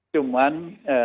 cuman proteksi dari vaksin